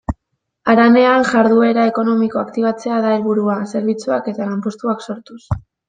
Haranean jarduera ekonomikoa aktibatzea da helburua, zerbitzuak eta lanpostuak sortuz.